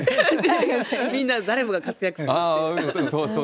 みんな誰もが活躍するっていう。